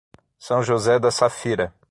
São José da Safira